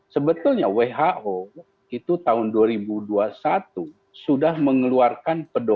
sebetulnya who itu tahun dua ribu dua puluh satu sudah mengeluarkan pedoman